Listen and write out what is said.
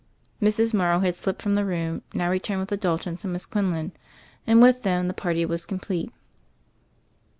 Mrs. Morrow, who had slipped from the room, now returned with the Daltons and Miss Quinlan ; and with them the party was complete.